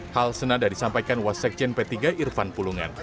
hal senada disampaikan wasekjen p tiga irfan pulungan